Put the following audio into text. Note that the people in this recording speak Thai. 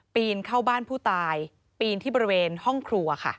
นเข้าบ้านผู้ตายปีนที่บริเวณห้องครัวค่ะ